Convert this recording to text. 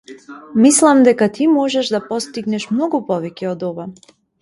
Мислам дека ти можеш да постигнеш многу повеќе од ова.